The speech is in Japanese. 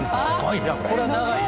これは長いよ。